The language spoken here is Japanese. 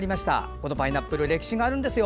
このパイナップル歴史があるんですよ。